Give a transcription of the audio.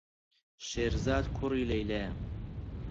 شێرزاد کوڕی لەیلایە.